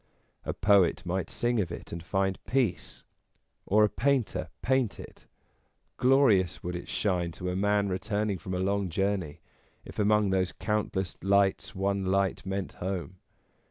A poet might sing of it, and find peace; CANDILLI 59 or a painter paint it ; glorious would it shine to a man returning from a long journey, if among those count less lights one light meant home.